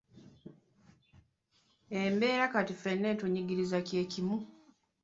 Embeera kati ffenna etunyigiriza kye kimu.